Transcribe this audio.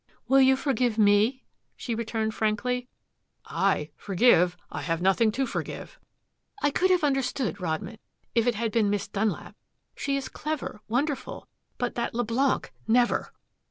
"Will you forgive me?" she returned frankly. "I forgive? I have nothing to forgive." "I could have understood, Rodman, if it had been Miss Dunlap. She is clever, wonderful. But that Leblanc never!"